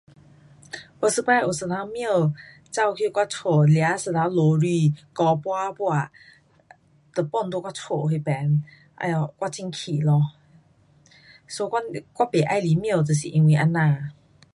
有一次有一只猫跑去我家抓一只老鼠，咬半半就丢在我家那边，哎哟，我很气咯，so 我，我不喜欢猫就是因为这样。